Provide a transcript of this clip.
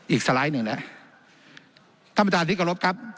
อีกสไลด์หนึ่งแล้วท่านประธานธิกรพครับ